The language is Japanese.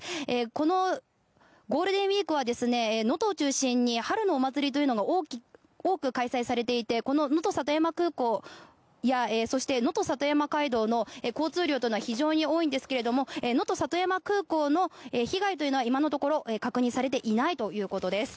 このゴールデンウィークは能登を中心に春のお祭りが多く開催されていてこの、のと里山空港やそして、のと里山海道の交通量というのは非常に多いんですがのと里山空港の被害というのは今のところ確認されていないということです。